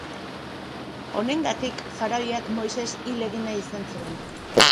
Honengatik, faraoiak Moises hil egin nahi izan zuen.